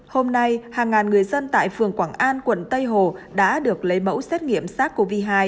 hôm nay hàng ngàn người dân tại phường quảng an quận tây hồ đã được lấy mẫu xét nghiệm sars cov hai